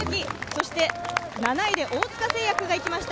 そして７位で大塚製薬が行きました